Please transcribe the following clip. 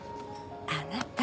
あなた。